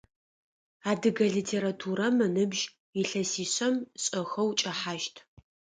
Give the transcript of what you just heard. Адыгэ литературэм ыныбжь илъэсишъэм шӏэхэу кӏэхьащт.